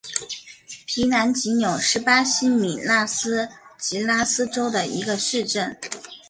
皮兰吉纽是巴西米纳斯吉拉斯州的一个市镇。